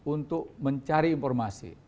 untuk mencari informasi